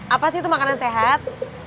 apa sih itu makanan sehat